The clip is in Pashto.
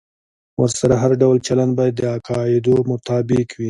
ورسره هر ډول چلند باید د قاعدو مطابق وي.